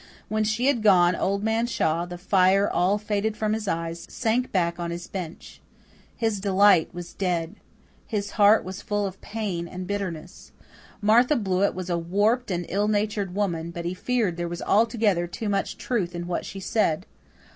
When she had gone Old Man Shaw, the fire all faded from his eyes, sank back on his bench. His delight was dead; his heart was full of pain and bitterness. Martha Blewett was a warped and ill natured woman, but he feared there was altogether too much truth in what she said.